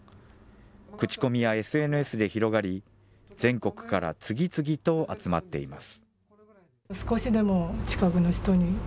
口コミやＳＮＳで広がり、全国から次々と集まっています。